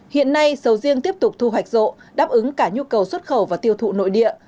hiện nay sầu riêng tiếp tục thu hoạch rộ đáp ứng cả nhu cầu xuất khẩu và tiêu thụ nội địa